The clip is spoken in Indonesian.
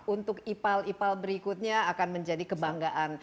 untuk ipal ipal berikutnya akan menjadi kebanggaan